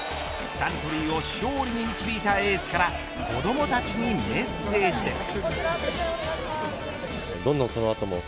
サントリーを勝利に導いたエースから子どもたちにメッセージです。